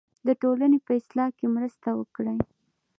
د ټولنې په اصلاح کې مرسته وکړئ.